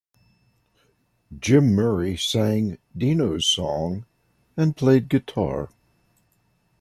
Jim Murray sang "Dino's Song" and played guitar.